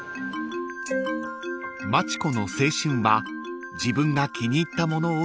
［町子の青春は自分が気に入ったものを創ること］